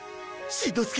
しんのすけ！